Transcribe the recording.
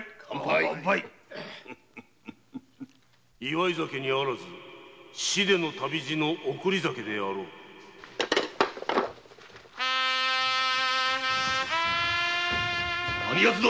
・祝い酒にあらず死出の旅路の送り酒であろう何奴だ